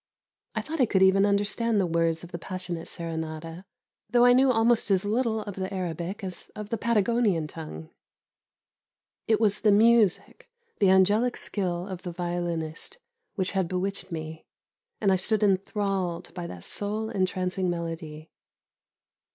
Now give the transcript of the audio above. I thought I could even understand the words of the passionate serenata, though I know almost as little of the Arabic as of the Patagonian tongue. It was the music, the angelic skill of the violinist, which had bewitched me, and I stood enthralled by that soul entrancing melody.